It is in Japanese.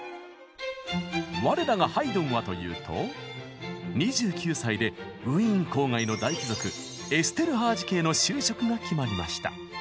我らがハイドンはというと２９歳でウィーン郊外の大貴族エステルハージ家への就職が決まりました。